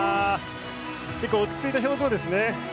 結構落ち着いた表情ですね。